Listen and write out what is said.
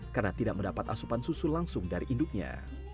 karena tidak mendapat asupan susu langsung dari induknya